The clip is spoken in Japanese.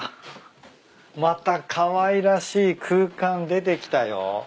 またかわいらしい空間出てきたよ。